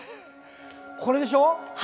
これでしょ。